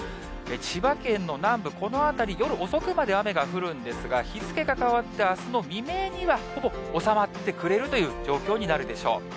千葉県の南部、この辺り、夜遅くまで雨が降るんですが、日付が変わってあすの未明には、ほぼ収まってくれるという状況になるでしょう。